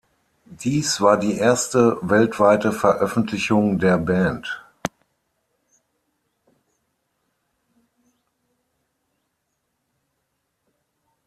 Dies war die erste weltweite Veröffentlichung der Band.